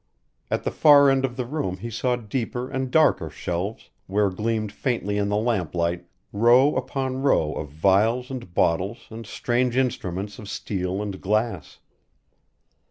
At the far end of the room he saw deeper and darker shelves, where gleamed faintly in the lamplight row upon row of vials and bottles and strange instruments of steel and glass.